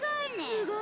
すごいわ。